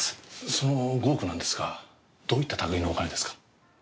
その５億なんですがどういった類のお金ですか？